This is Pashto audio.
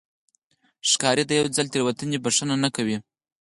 ښکاري د یو ځل تېروتنې بښنه نه کوي.